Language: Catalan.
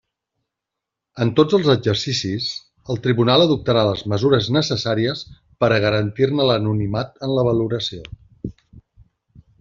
En tots els exercicis, el tribunal adoptarà les mesures necessàries per a garantir-ne l'anonimat en la valoració.